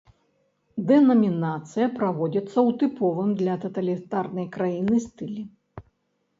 Дэнамінацыя праводзіцца ў тыповым для таталітарнай краіны стылі.